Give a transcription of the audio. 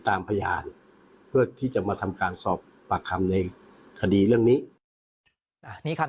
ตามพยานเพื่อที่จะมาทำการสอบปากคำในคดีเรื่องนี้